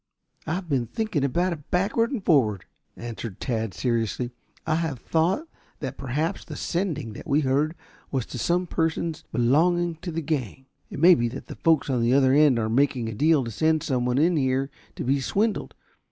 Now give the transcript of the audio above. "I have been thinking about it backward and forward," answered Tad seriously. "I have thought that perhaps the sending that we heard was to some persons belonging to the gang. It may be that the folks at the other end are making a deal to send someone in here to be swindled.